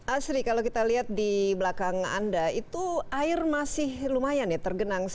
asri kalau kita lihat di belakang anda itu air masih lumayan ya tergenang